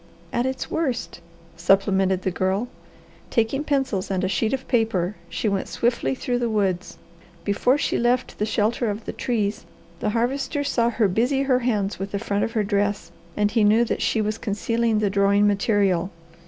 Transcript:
"At its worst," supplemented the Girl. Taking pencils and a sheet of paper she went swiftly through the woods. Before she left the shelter of the trees, the Harvester saw her busy her hands with the front of her dress, and he knew that she was concealing the drawing material.